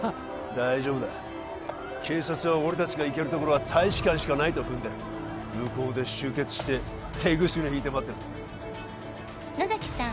大丈夫だ警察は俺達が行けるところは大使館しかないと踏んでる向こうで集結して手ぐすね引いて待ってるさ「野崎さん